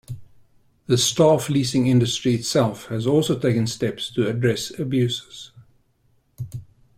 The staff leasing industry itself has also taken steps to address abuses.